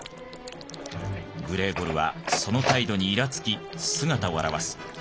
グレーゴルはその態度にいらつき姿を現す。